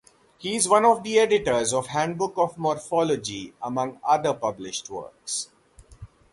He is one of the editors of "Handbook of Morphology", among other published works.